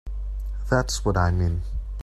That's what I mean.